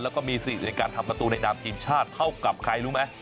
แล้วก็มีสิริในการทำประตูในนามทีมชาติเท่ากับใครรู้ไหม